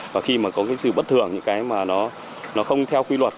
và khi mà có cái sự bất thường những cái mà nó không theo quy luật